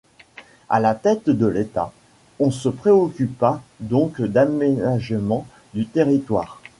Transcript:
À la tête de l'État, on se préoccupa donc d'aménagement du territoire.